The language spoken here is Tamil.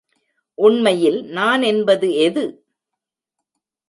உண்மையில் நான் என்பது எது?